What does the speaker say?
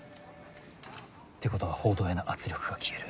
てことは報道への圧力が消える。